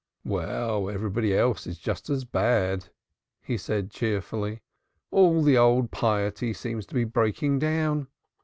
"Well, everybody else is just as bad," he said cheerfully. "All the old piety seems to be breaking down.